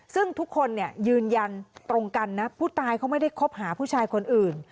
ซึ่งทุกคนยืนยันตรงกันนะผู้ตายเขาไม่ได้คบหาผู้ชายคนอื่น